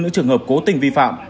những trường hợp cố tình vi phạm